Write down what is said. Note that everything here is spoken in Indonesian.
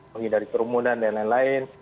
lagi dari perumunan dan lain lain